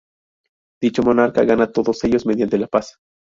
Dicho monarca gana todos ellos mediante la paz.